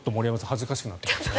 恥ずかしくなってきますね。